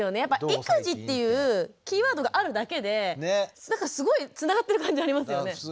やっぱ育児っていうキーワードがあるだけでなんかすごいつながってる感じありますよね。